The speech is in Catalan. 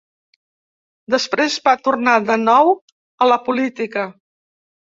Després va tornar de nou a la política.